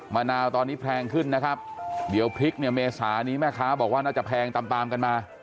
มะนาวตอนนี้แพงขึ้นนะครับเดี๋ยวพริกเนี่ยเมษานี้แม่ค้าบอกว่าน่าจะแพงตามตามกันมา